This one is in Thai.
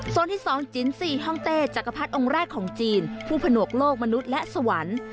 ส่วนที่๒จินซีฮ่องเต้จักรพรรดิองค์แรกของจีนผู้ผนวกโลกมนุษย์และสวรรค์